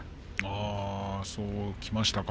ああ、そうきましたか。